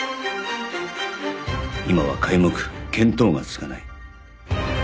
今は皆目見当がつかない